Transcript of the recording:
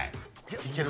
いける？